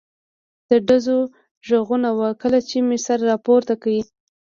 د ډزو غږونه و، کله چې مې سر را پورته کړ.